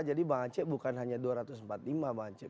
bang aceh bukan hanya dua ratus empat puluh lima bang aceh